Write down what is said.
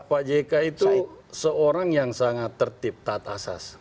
pak jk itu seorang yang sangat tertib taat asas